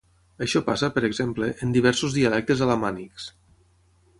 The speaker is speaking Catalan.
Això passa, per exemple, en diversos dialectes alamànics.